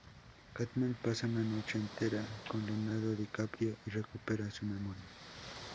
Cartman pasa una noche entera con Leonardo DiCaprio y recupera su memoria.